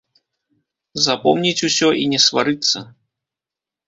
Запомніць усё і не сварыцца!